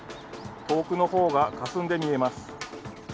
遠くの方がかすんで見えます。